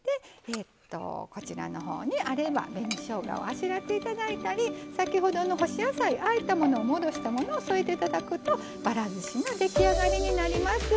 こちらのほうにあれば紅しょうがをあしらっていただいたり先ほどの干し野菜あえたものを戻したものを添えていただくとばらずしが出来上がりになります。